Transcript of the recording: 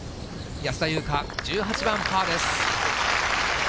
安田祐香、１８番パーです。